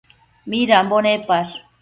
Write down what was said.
Midambo nepash?